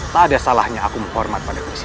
tak ada salahnya aku memhormat pada chris ini